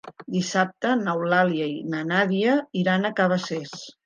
Dissabte n'Eulàlia i na Nàdia iran a Cabacés.